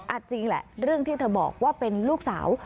จริงแหละเรื่องที่เธอบอกว่าเป็นลูกสาว